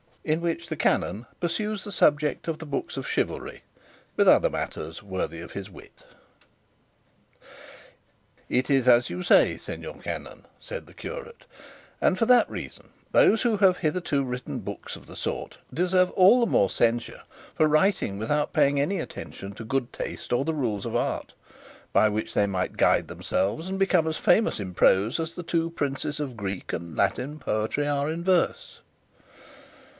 IN WHICH THE CANON PURSUES THE SUBJECT OF THE BOOKS OF CHIVALRY, WITH OTHER MATTERS WORTHY OF HIS WIT "It is as you say, señor canon," said the curate; "and for that reason those who have hitherto written books of the sort deserve all the more censure for writing without paying any attention to good taste or the rules of art, by which they might guide themselves and become as famous in prose as the two princes of Greek and Latin poetry are in verse."